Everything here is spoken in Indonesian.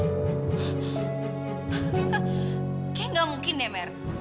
kayaknya gak mungkin deh mer